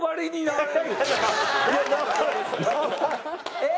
えっ？